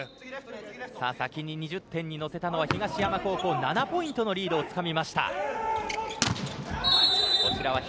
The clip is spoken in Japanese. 先に２０点にのせたのは東山高校７ポイントのリードをつかみました。